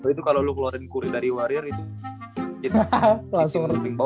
itu kalau lu keluarin curry dari warriors itu